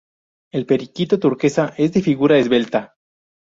El periquito turquesa es de figura esbelta.